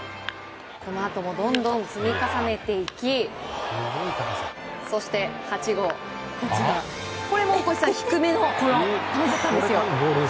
このあとも、どんどん積み重ねていき８号は低めの難しい球だったんです。